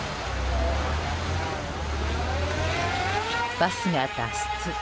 バスが脱出。